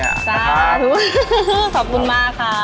ขอบคุณมากค่ะ